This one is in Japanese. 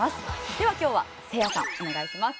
では今日はせいやさんお願いします。